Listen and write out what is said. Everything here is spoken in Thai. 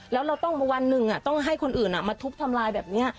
แล้วเราต้องมาวันหนึ่งต้องให้คนอื่นมาทุบทำลายแบบนี้